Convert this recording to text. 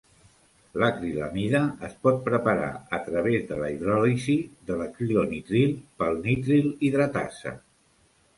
L'acrilamida es pot preparar a través de la hidròlisi de l'acrilonitril pel nitril hidratasa.